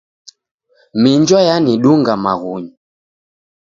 Minjwa yanidunga maghunyi.